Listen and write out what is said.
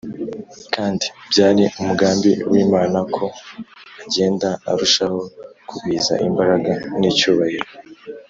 kandi byari umugambi w’imana ko agenda arushaho kugwiza imbaraga n’icyubahiro,